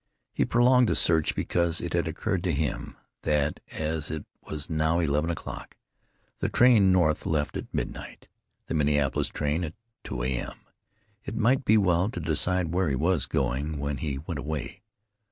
He prolonged the search because it had occurred to him that, as it was now eleven o'clock, and the train north left at midnight, the Minneapolis train at 2 a.m., it might be well to decide where he was going when he went away.